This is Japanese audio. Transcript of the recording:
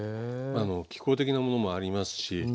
気候的なものもありますし。